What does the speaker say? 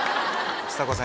ちさ子さん